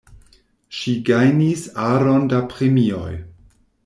Ŝi gajnis aron da premioj.